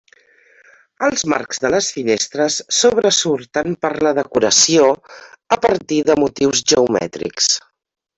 Els marcs de les finestres sobresurten per la decoració, a partir de motius geomètrics.